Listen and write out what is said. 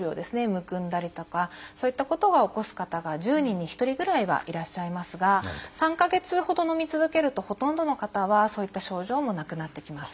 むくんだりとかそういったことを起こす方が１０人に１人ぐらいはいらっしゃいますが３か月ほどのみ続けるとほとんどの方はそういった症状もなくなってきます。